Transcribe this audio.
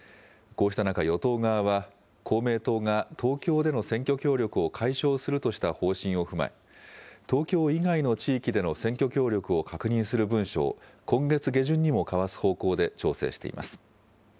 こうした中、与党側は公明党が東京での選挙協力を解消するとした方針を踏まえ、東京以外の地域での選挙協力を確認する文書を今月下旬にも交わす方向で調整しています。